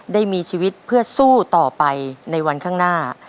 ได้มีชีวิตเพื่อสู้ต่อไปในวันข้างหน้า